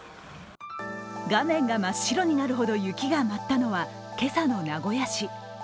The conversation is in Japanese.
画面が真っ白になるほど雪が舞ったのは、今朝の名古屋市。